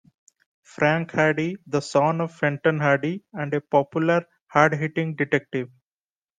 Frank Hardy-The son of Fenton Hardy and a popular, hard-hitting detective.